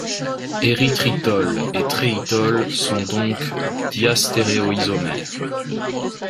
Érythritol et thréitol sont donc diastéréoisomères.